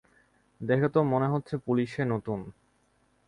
দেখে তো মনে হচ্ছে পুলিশে নতুন।